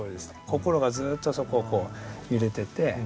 心がずっとそこをこう揺れてて。